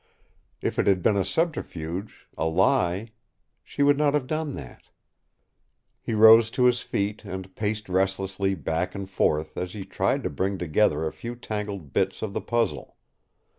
If it had been a subterfuge, a lie, she would not have done that. He rose to his feet and paced restlessly back and forth as he tried to bring together a few tangled bits of the puzzle.